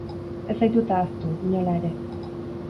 Ez zaitut ahaztu, inola ere.